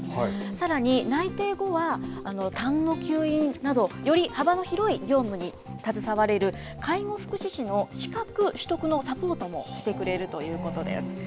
さらに内定後は、たんの吸引など、より幅の広い業務に携われる、介護福祉士の資格取得のサポートもしてくれるということです。